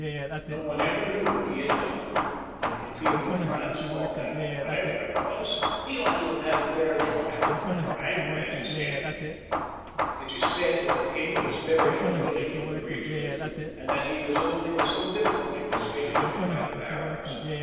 No one ever knew what he had done, and the people of Prance thought that, whatever it was, he ought to have had a fair trial, and were angry at his deatL It is said that the king w^very unwilling to agree to it, and that he was only with some difficulty persuaded to it by the barons.